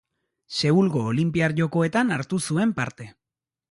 Seulgo Olinpiar Jokoetan hartu zuen parte.